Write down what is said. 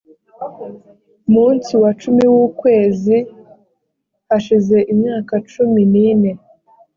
munsi wa cumi w ukwezi hashize imyaka cumi n ine